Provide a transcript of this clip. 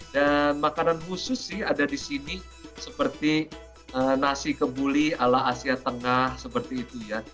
dan makanan khusus sih ada di sini seperti nasi kebuli ala asia tengah seperti itu ya